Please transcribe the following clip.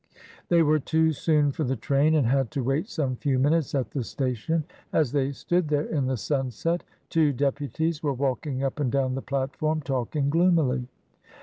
They were too soon for the train, and had to wait some few minutes at the station; as they stood there in the sunset, two deputies were walking up and down the platform talking gloomily.